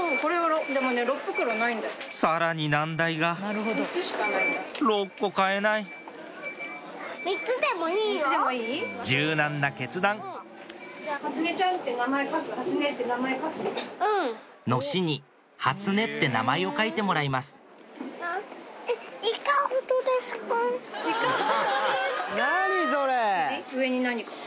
さらに難題が６個買えない柔軟な決断のしに「はつね」って名前を書いてもらいますいかほどですか⁉何それ！